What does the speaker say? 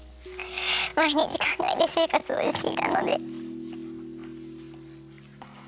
毎日考えて生活をしていたので。